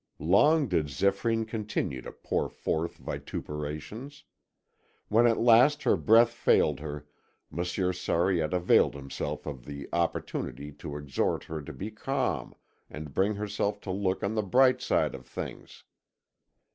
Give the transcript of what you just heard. Long did Zéphyrine continue to pour forth vituperations. When at last her breath failed her, Monsieur Sariette availed himself of the opportunity to exhort her to be calm and bring herself to look on the bright side of things.